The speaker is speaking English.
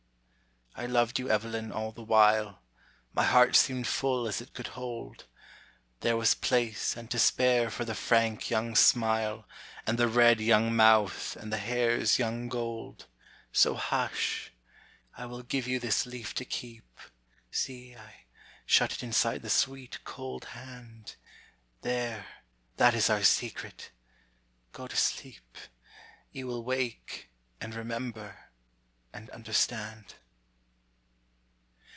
I loved you, Evelyn, all the while; My heart seemed full as it could hold, There was place and to spare for the frank young smile, And the red young mouth, and the hair's young gold. So, hush! I will give you this leaf to keep; See, I shut it inside the sweet, cold hand. There, that is our secret! go to sleep; You will wake, and remember, and understand.